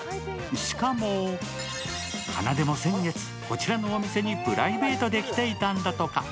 しかもかなでも先月、こちらのお店にプライベートで来ていたんだとか。